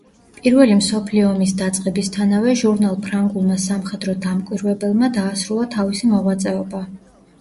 პირველი მსოფლიო ომის დაწყებისთანავე ჟურნალ ფრანგულმა „სამხედრო დამკვირვებელმა“ დაასრულა თავისი მოღვაწეობა.